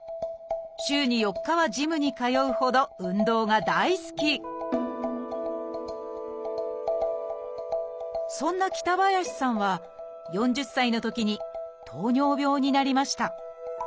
週に４日はジムに通うほど運動が大好きそんな北林さんは４０歳のときに糖尿病になりました